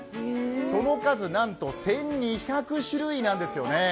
その数なんと１２００種類なんです。